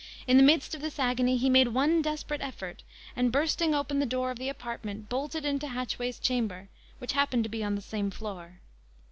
In the midst of this agony he made one desperate effort, and, bursting open the door of apartment, bolted into Hatchway's chamber, which happened to be on the same floor.